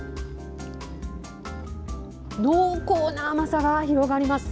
濃厚な甘さが広がります。